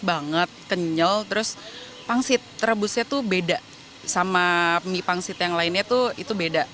banget kenyal terus pangsit rebusnya tuh beda sama mie pangsit yang lainnya tuh itu beda